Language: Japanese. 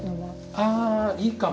あいいかも。